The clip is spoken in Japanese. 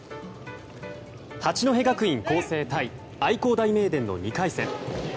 八戸学院光星対愛工大名電の２回戦。